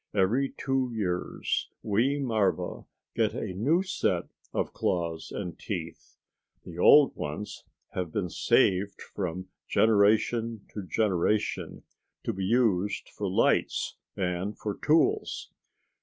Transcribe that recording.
Every two years we marva get a new set of claws and teeth. The old ones have been saved from generation to generation to be used for lights and for tools.